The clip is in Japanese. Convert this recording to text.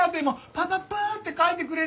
パパパッて書いてくれりゃあ。